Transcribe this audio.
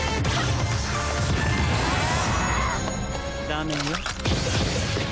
ダメよ。